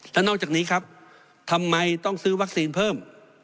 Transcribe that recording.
และนอกจากนี้ครับทำไมต้องซื้อวัคซีนเพิ่ม